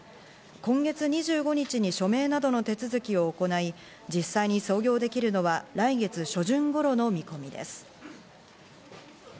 今月２５日に署名などの手続きを行い、実際に操業できるのは来月初旬頃の見込みです。